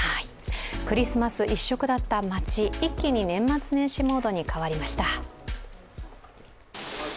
クリスマス一色だった街、一気に年末年始モードに変わりました。